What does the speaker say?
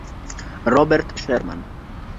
Robert Sherman